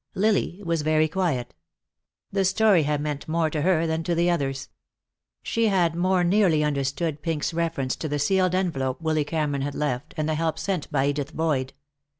Lily was very quiet. The story had meant more to her than to the others. She had more nearly understood Pink's reference to the sealed envelope Willy Cameron had left, and the help sent by Edith Boyd.